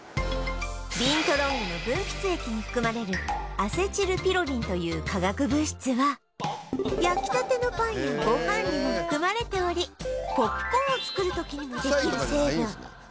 ビントロングの分泌液に含まれるアセチルピロリンという化学物質は焼きたてのパンやご飯にも含まれておりポップコーンを作る時にもできる成分